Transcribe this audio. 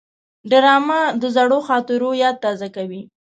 ډرامه د زړو خاطرو یاد تازه کوي